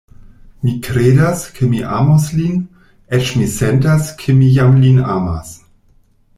Mi kredas, ke mi amos lin; eĉ mi sentas, ke mi jam lin amas.